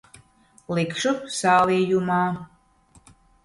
Likšu sālījumā.